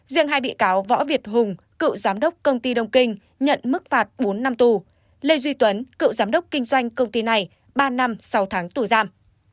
riêng hai bị cáo võ việt hùng cựu giám đốc công ty đông kinh nhận mức phạt bốn năm tù lê duy tuấn cựu giám đốc kinh doanh công ty này ba năm sáu tháng tù giam